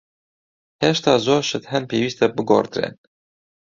هێشتا زۆر شت هەن پێویستە بگۆڕدرێن.